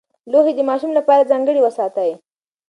لوښي د ماشوم لپاره ځانګړي وساتئ.